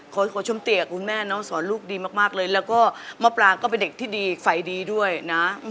ขอชมเตียกับคุณแม่น้องสอนลูกดีมากเลยแล้วก็มะปรางก็เป็นเด็กที่ดีไฟดีด้วยนะ